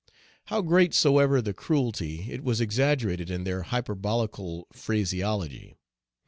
How great soever the cruelty, it was exaggerated in their hyperbolical phraseology.